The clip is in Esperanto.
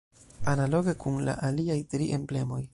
Analoge kun la aliaj tri emblemoj.